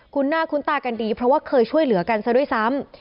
คุณหน้าคุ้นตากันดีเพราะว่าเคยช่วยเหลือกันซะด้วยซ้ำ